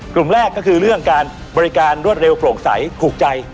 กลุ่มแรกก็คือเรื่องการบริการรวดเร็วโปร่งใสถูกใจ